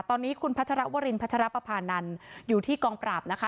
ตอนนี้คุณพัชรวรินพัชรปภานันอยู่ที่กองปราบนะคะ